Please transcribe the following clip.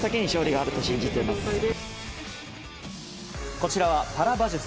こちらはパラ馬術。